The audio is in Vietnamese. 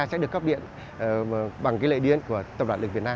sẽ được cấp điện bằng lưới điện của tập đoạn lực việt nam